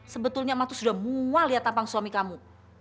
sebetulnya emak tuh sudah mua lihat tampang suami kamu